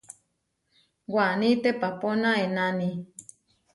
Waní teʼpapóna enáni.